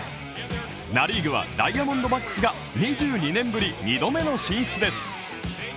ナ・リーグはダイヤモンドバックスが２２年ぶり、２度目の進出です。